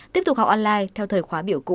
tiếp tục học online theo thời khóa biểu cũ